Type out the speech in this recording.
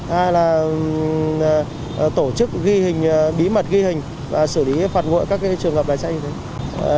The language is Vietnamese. hai là tổ chức bí mật ghi hình và xử lý phạt ngộ các trường hợp lái xe như thế